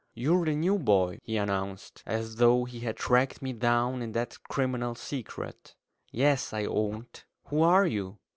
"You're the new boy," he announced, as though he had tracked me down in that criminal secret. "Yes," I owned. "Who are you?"